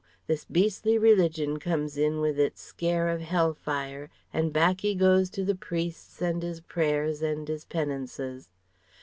This beastly Religion comes in with its scare of Hell fire and back 'e goes to the priests and 'is prayers and 'is penances.